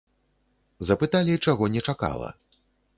Запыталі, чаго не чакала.